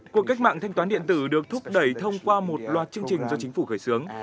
cuộc cách mạng thanh toán điện tử được thúc đẩy thông qua một loạt chương trình do chính phủ khởi xướng